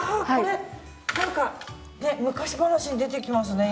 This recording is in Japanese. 何か昔話に出てきますね